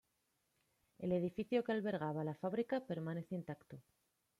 El edificio que albergaba la fábrica permanece intacto.